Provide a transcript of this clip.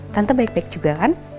tante baik baik juga kan